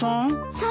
そう。